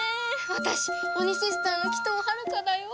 私オニシスターの鬼頭はるかだよ。